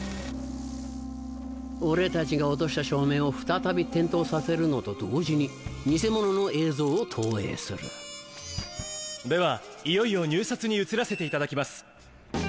俺たちが落とした照明を再び点灯させるのと同時に偽物の映像を投影するではいよいよ入札に移らせていただきます。